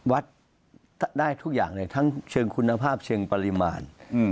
วัดได้ทุกอย่างเลยทั้งเชิงคุณภาพเชิงปริมาณ